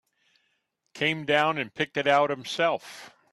Came down and picked it out himself.